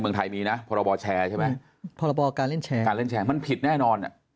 เมืองไทยมีนะพรบแชร์ใช่ไหมพรบการเล่นแชร์มันผิดแน่นอน